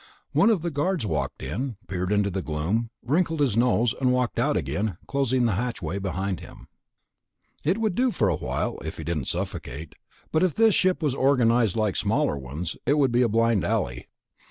One of the guards walked in, peered into the gloom, wrinkled his nose, and walked out again, closing the hatchway behind him. It would do for a while ... if he didn't suffocate ... but if this ship was organized like smaller ones, it would be a blind alley.